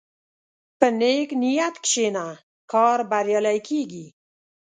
په نیک نیت کښېنه، کار بریالی کېږي.